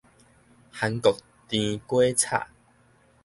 韓國甜粿炒